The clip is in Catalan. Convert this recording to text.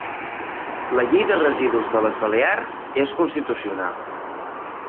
La llei de residus de les balears és constitucional